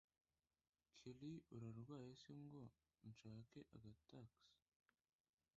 kelli urarwaye se ngo nshake agatax